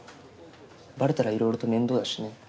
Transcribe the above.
バレたらいろいろと面倒だしね。